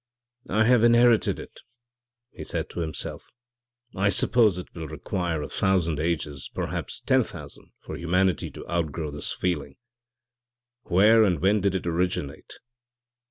'I have inherited it,' he said to himself. 'I suppose it will require a thousand ages perhaps ten thousand for humanity to outgrow this feeling. Where and when did it originate?